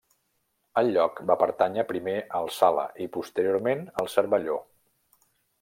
El lloc va pertànyer primer als Sala i posteriorment als Cervelló.